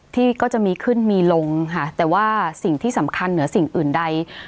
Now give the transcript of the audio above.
ที่ก็จะมีขึ้นมีลงค่ะแต่ว่าสิ่งที่สำคัญเหนือสิ่งอื่นใด